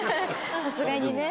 さすがにね。